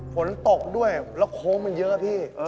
ฝนตกด้วยแล้วโค้งมันเยอะพี่